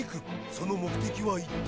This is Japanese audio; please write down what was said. その目的は一体。